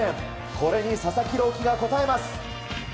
これに佐々木朗希が応えます。